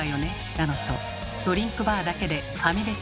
だのとドリンクバーだけでファミレス